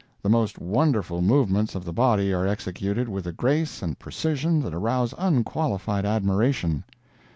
The most wonderful movements of the body are executed with a grace and precision that arouse unqualified admiration.